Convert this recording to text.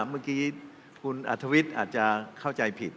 เมื่อกี้คุณอัธวิทย์อาจจะเข้าใจผิด